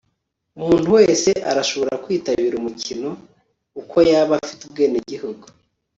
umuntu wese arashobora kwitabira umukino, uko yaba afite ubwenegihugu